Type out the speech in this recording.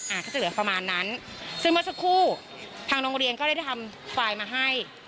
ก็จะเหลือประมาณนั้นซึ่งเมื่อสักครู่ทางโรงเรียนก็ได้ทำไฟล์มาให้